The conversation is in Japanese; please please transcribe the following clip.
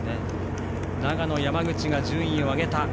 長野の山口が順位を上げた。